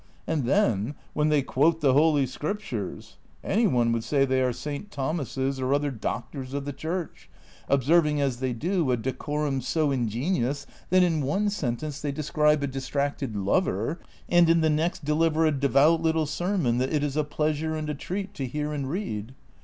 And then, when they quote the Holy Scriptures I — any one would say they are St. Thomases or other doctors of the Church, observing as they do a decorum so ingenious that in one sentence they describe a distracted lover and in the next deliver a devout little sermon that it is a pleasure and a treat to hear and read.